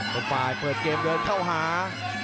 เป็นฝ่ายเปิดเกมเดินเข้าหา